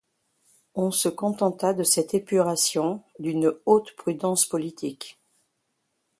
On se contenta de cette épuration, d'une haute prudence politique.